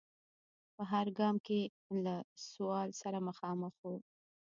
په هر ګام کې له سوال سره مخامخ و.